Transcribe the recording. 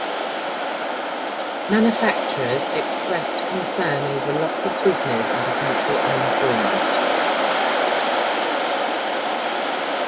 Manufacturers expressed concern over loss of business and potential unemployment.